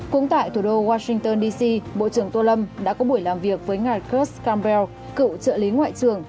cũng tại thủ đô washington d c bộ trưởng tô lâm đã có buổi làm việc với ngài kurt campbell cựu trợ lý ngoại trưởng